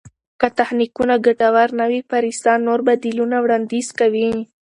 که تخنیکونه ګټور نه وي، پریسا نور بدیلونه وړاندیز کوي.